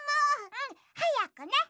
うんはやくね。